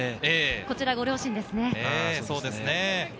こちらご両親ですね。